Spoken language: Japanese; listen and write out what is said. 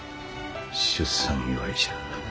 出産祝じゃ。